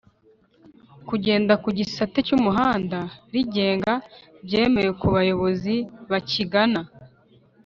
kugenda ku gisate cy'umuhanda rigenga byemewe ku bayobozi bakigana.